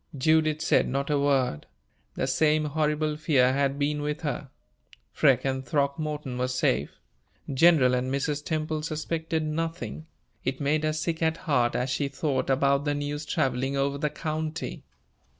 Judith said not a word. The same horrible fear had been with her. Freke and Throckmorton were safe General and Mrs. Temple suspected nothing it made her sick at heart as she thought about the news traveling over the county.